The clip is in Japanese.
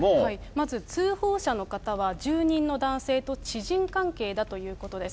まず通報者の方は、住人の男性と知人関係だということです。